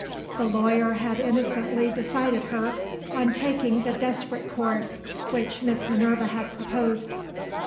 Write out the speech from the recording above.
The lawyer had innocently decided her on taking the desperate course which Miss Minerva had proposed.